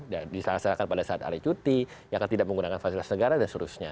dan disalah salahkan pada saat hari cuti yang tidak menggunakan fasilitas negara dan sebagainya